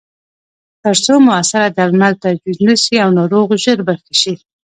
ترڅو موثره درمل تجویز شي او ناروغ ژر ښه شي.